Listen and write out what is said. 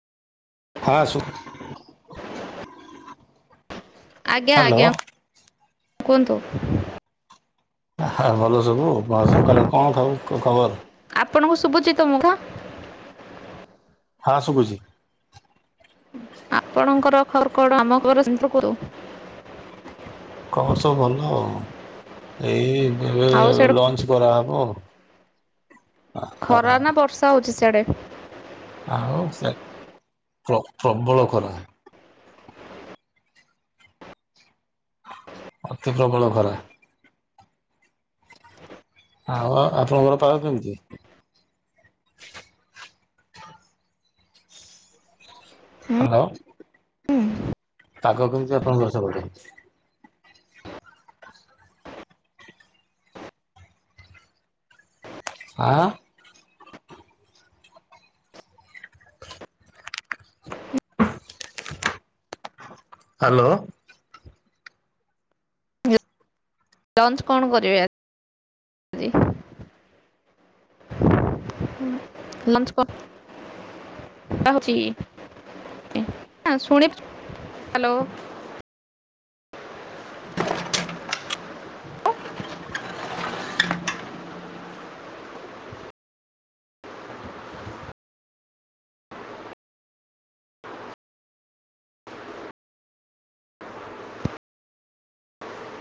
ହଁ ଆସୁ। ଆଜ୍ଞା ହ୍ୟାଲୋ ଆଜ୍ଞା କୁହନ୍ତୁ। ହ ଭଲ ସବୁ କ ସକାଳେ କଣ ଖାଉ ଖବର? ଆପଣଙ୍କୁ ଶୁବୁଚି ତ ମୋ କଥା? ହଁ ଶୁବୁଚି। ଆପଣଙ୍କର ଖର [unintelligible] ଆମ [unintelligible] ଖବର ସବୁ ଭଲ ଆଉ ଏଇ ଏବେ ଆଉ ସିଆଡ଼େ ଲଞ୍ଚ କରାହବ ଆ ଖରା ନା ବର୍ଷା ହଉଚି ସଆଡେ? ଆଉ ସେ ପ୍ର-ପ୍ରବଳ ଖରା। ଅତି ପ୍ରବଳ ଖରା। ଆଉ ଆପଣଙ୍କର ପାଗ କେମିତି? ହୁଁ ହାଲୋ। ପାଗ କେମିତି ଆପଣଙ୍କ ସେପଟେ। ଆଁ ହାଲୋ। ଲଞ୍ଚ କଣ କରିବେ ଆଜି? ଲଞ୍ଚ [unintelligible] ହଉଚି। ଶୁଣ ହ୍ୟାଲୋ